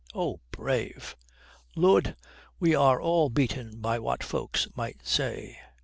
Oh, brave!" "Lud, we are all beaten by what folks might say.